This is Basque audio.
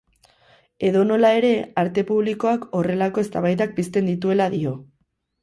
Edonola ere, arte publikoak horrelako eztabaidak pizten dituela dio.